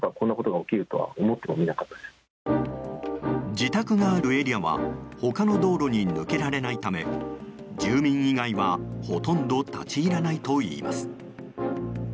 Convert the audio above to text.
自宅があるエリアは他の道路に抜けられないため住民以外は、ほとんど立ち入らないといいます。